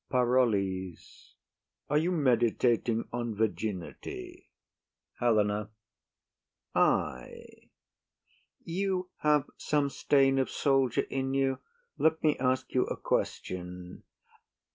PAROLLES. Are you meditating on virginity? HELENA. Ay. You have some stain of soldier in you; let me ask you a question.